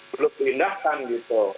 belum dilindahkan gitu